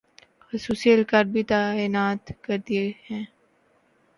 خصوصی اہلکار بھی تعینات کردیئے ہیں